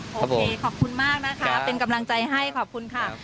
โอเคขอบคุณมากนะคะเป็นกำลังใจให้ขอบคุณค่ะ